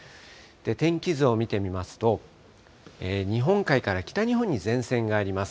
天気図を見てみますと、日本海から北日本に前線があります。